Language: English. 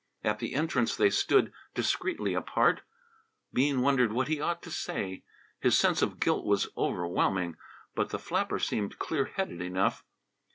At the entrance they stood discreetly apart. Bean wondered what he ought to say. His sense of guilt was overwhelming. But the flapper seemed clear headed enough.